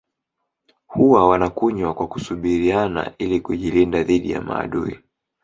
Huwa wanakunywa kwa kusubiriana ili kujilinda dhidi ya maadui